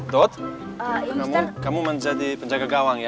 dut kamu menjadi penjaga gawang ya